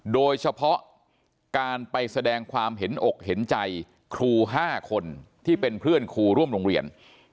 โดยเฉพาะการไปแสดงความเห็นอกเห็นใจครู๕คนที่เป็นเพื่อนครูร่วมโรงเรียน